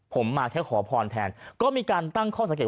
ผมมาแค่ขอพรแทนก็มีการตั้งข้อสังเกต